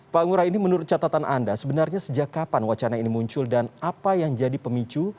pak ngurah ini menurut catatan anda sebenarnya sejak kapan wacana ini muncul dan apa yang jadi pemicu